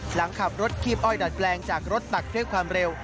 หลังขับรถคีบอ้อยดัดแปลงจากรถตักด้วยความเร็ว